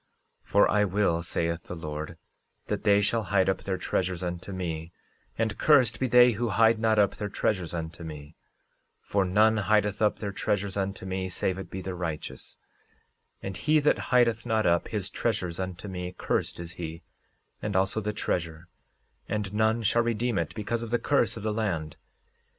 13:19 For I will, saith the Lord, that they shall hide up their treasures unto me; and cursed be they who hide not up their treasures unto me; for none hideth up their treasures unto me save it be the righteous; and he that hideth not up his treasures unto me, cursed is he, and also the treasure, and none shall redeem it because of the curse of the land.